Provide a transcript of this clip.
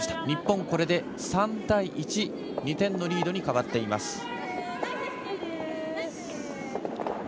日本これで３対１２点のリードに変わっています。